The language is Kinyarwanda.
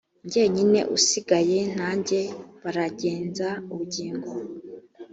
jyenyine usigaye nanjye baragenza ubugingo